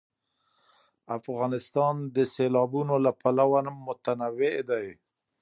افغانستان د سیلابونه له پلوه متنوع دی.